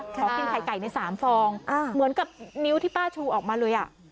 ขอกินไข่ไก่ใน๓ฟองเหมือนกับนิ้วที่ป้าชูออกมาเลยอ่ะ